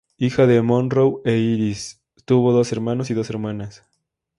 Hija de Monroe e Iris, tuvo dos hermanos y dos hermanas.